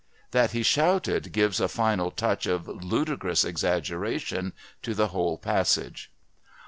That he shouted gives a final touch of ludicrous exaggeration to the whole passage.